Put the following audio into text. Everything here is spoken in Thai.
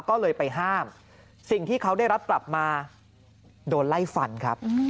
ก็เลยไปห้ามสิ่งที่เขาได้รับกลับมาโดนไล่ฟันครับ